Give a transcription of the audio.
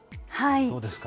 どうですか。